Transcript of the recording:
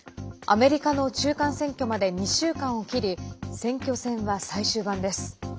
アメリカの中間選挙まで２週間を切り選挙戦は最終盤です。